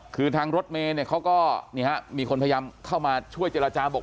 คือทางรถเมย์เนี่ยเขาก็มีคนพยายามเข้ามาช่วยเจรจาบอก